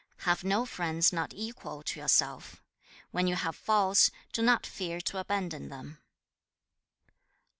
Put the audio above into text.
Have no friends not equal to yourself. When you have faults, do not fear to abandon them.'